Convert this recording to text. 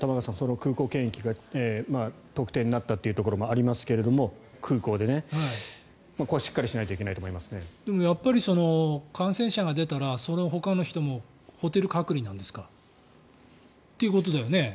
空港検疫が空港で特定になったということもありますがこれはしっかりしないといけないと感染者が出たらそのほかの人もホテル隔離なんですか？ということだよね。